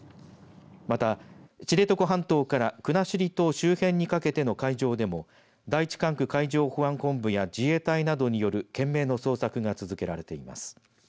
また、知床半島から国後島周辺にかけての海上でも第１管区海上保安本部や自衛隊などによる懸命の捜索が続けられています。